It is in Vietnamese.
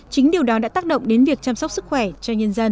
chính điều đó đã tác động đến việc chăm sóc sức khỏe cho nhân dân